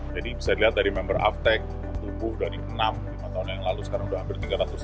jadi bisa dilihat dari member aftek tubuh dari enam tahun yang lalu sekarang sudah hampir tiga ratus enam puluh